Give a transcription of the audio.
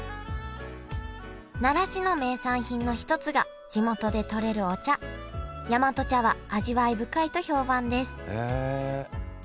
奈良市の名産品の一つが地元でとれるお茶大和茶は味わい深いと評判です。